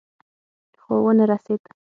خو ونه رسېد.